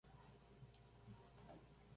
Al final se recorre la nevada cresta oeste.